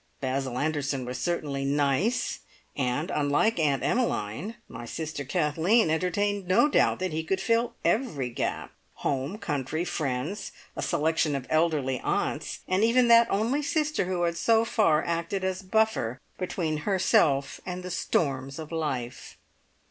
Basil Anderson was certainly "nice," and, unlike Aunt Emmeline, my sister Kathleen entertained no doubt that he could fill every gap home, country, friends, a selection of elderly aunts, and even that only sister who had so far acted as buffer between herself and the storms of life.